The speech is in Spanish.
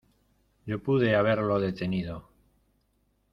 Yo pude haberlo detenido.